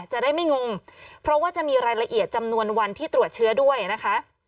จะได้ไม่งงเพราะว่าจะมีรายละเอียดจำนวนวันที่ตรวจเชื้อด้วยนะคะ